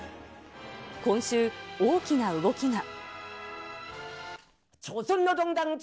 今週、大きな動きが。